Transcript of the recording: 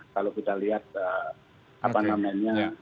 kalau kita lihat apa namanya